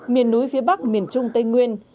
miền núi phía bắc miền trung tây nguyên